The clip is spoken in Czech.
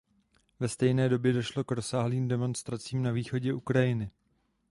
Ve stejné době došlo k rozsáhlým demonstracím na východě Ukrajiny.